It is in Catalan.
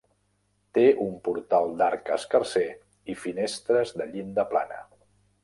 Té un portal d'arc escarser i finestres de llinda plana.